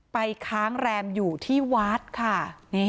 ค้างแรมอยู่ที่วัดค่ะ